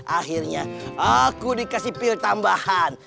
akhirnya aku dikasih pil tambahan